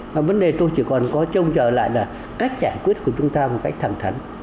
mà vấn đề tôi chỉ còn có trông trở lại là cách giải quyết của chúng ta một cách thẳng thắn